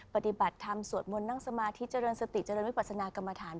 ปฏิบัติธรรมสวดมนต์นั่งสมาธิเจริญสติเจริญวิปัสนากรรมฐาน